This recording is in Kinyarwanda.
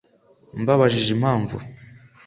Mbabajije impamvu